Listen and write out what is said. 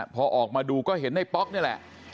พอออกมาดูก็เห็นในป๊อกนี่แหละ